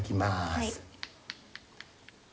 はい。